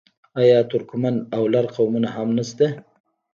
آیا ترکمن او لر قومونه هم نشته؟